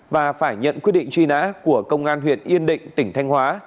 và phải nhận quyết định truy nã của công an huyện yên định tỉnh thanh hóa